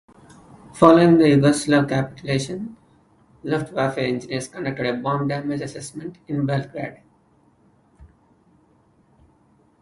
Following the Yugoslav capitulation, "Luftwaffe" engineers conducted a bomb damage assessment in Belgrade.